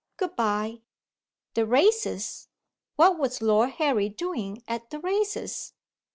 Good bye." The races! What was Lord Harry doing at the races?